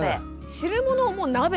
汁物はもう鍋と。